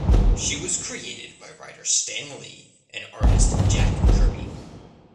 She was created by writer Stan Lee and artist Jack Kirby.